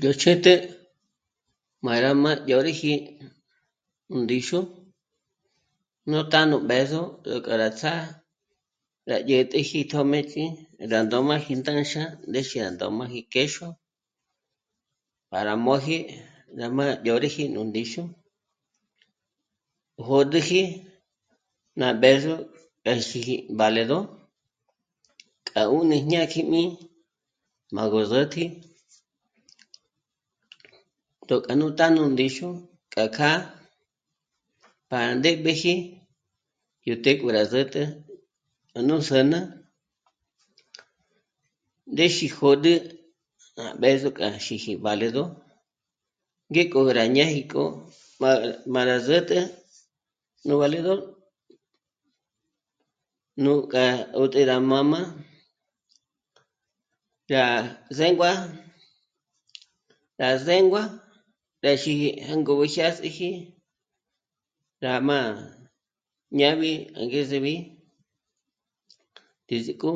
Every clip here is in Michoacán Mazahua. Nú chjä̌t'ä má rá má dyôd'iji ndíxu, nú tá'a nú b'ë̌zo 'ä k'a rá ts'á'a rá dyä̀t'äji tjö̌mëch'i rá ndóm'aji ndánxa ndénxa ndóm'aji k'éxo para móji rá má dyôriji nú ndíxu, jö̂d'üji ná b'ë̌zo é xíji valedo k'a 'ùni ñákji mí mâgü s'ä̀t'äji, tó k'a nú tá'a nú ndíxu k'a kjâ'a pa ndéb'eji yó të́'ë k'o rá sä̀t'ä k'a nú sǚn'ü ndéxi jö̂d'ü gá b'ë̌zo k'a xíji valedo ngék'o rá ñáji k'o, mbára s'ä̀t'ä nú valedor nú k'a 'ä̀t'ä rá mā́m'ā, yá zéngua, rá zéngua pë́xi jângo k'o dyá s'ë́ji rá má ñábi angezebi ndízik'o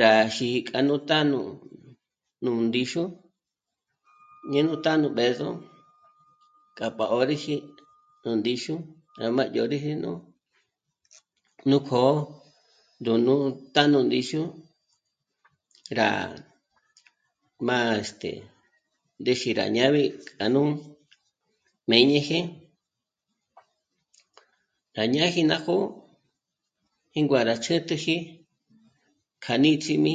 rá xí'i k'a nú tá'a nú ndíxu ñé nú tá'a nú b'ë̌zo k'a pa 'ö́riji nú ndíxu rá má dyö̌rüji nú kjó'o, yó nú'u tá'a nú ndíxu, rá má..., este... ndéxi rá ñábi k'a nú mběñeje, rá ñaji ná jó'o jíngua rá chjä̌t'äji kja níts'im'i,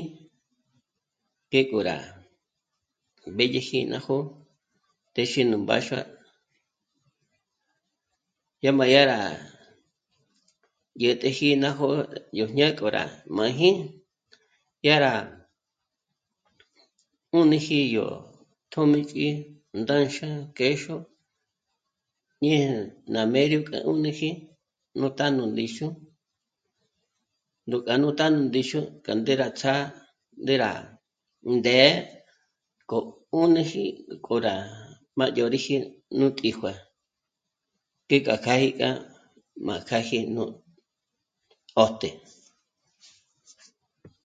ngék'o rá mbédyeji ná jó'o téxi nú mbáxua yó má dyá rá dyä̀t'äji ná jó'o yó jñák'o rá máji dyá rá 'ùnüji yó tjö̌mëch'i, ndânxa, k'éxo, ñeje ná mério k'a 'ùnüji nú tá'a nú ndíxu, rú k'â'a nú tá'a nú ndíxu k'a ndé rá ts'á'a, ndé rá, ndě'e k'o 'ùnüji k'o rá má dyö̌rüji nú tíjuë'ë. Ngék'a kjâ'a í kja má kjâji nú pójt'e